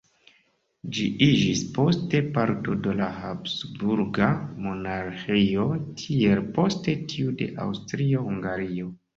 Ĝi iĝis poste parto de la Habsburga Monarĥio tiel poste tiu de Aŭstrio-Hungario.